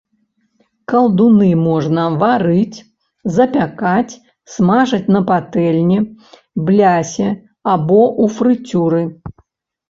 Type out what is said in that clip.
Калдуны можна варыць, запякаць, смажыць на патэльні, блясе або ў фрыцюры.